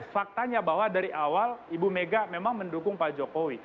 faktanya bahwa dari awal ibu mega memang mendukung pak jokowi